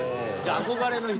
憧れの人。